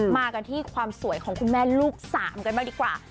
มากันที่ความสวยของคุณแม่ลูกสามกันบ้างดีกว่า